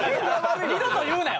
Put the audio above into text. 二度と言うなよ。